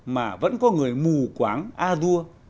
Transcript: mà vẫn có người mù quáng a dua